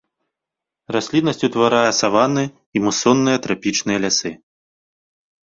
Расліннасць утварае саванны і мусонныя трапічныя лясы.